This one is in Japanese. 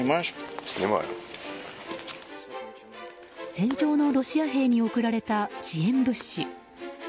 戦場のロシア兵に送られた支援物資。